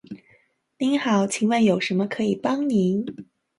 您好，请问有什么可以帮您？